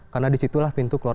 karena disitulah pintu keluarga